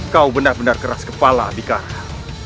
kau benar benar keras kepala bikara